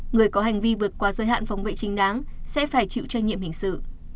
người có hành vi vượt qua giới hạn phòng vệ chính đáng sẽ phải chịu trách nhiệm hình sự